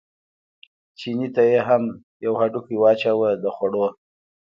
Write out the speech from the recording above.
چیني ته یې هم یو هډوکی واچاوه د خوړو.